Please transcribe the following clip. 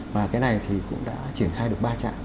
và cái này thì cũng đã triển khai được ba trạm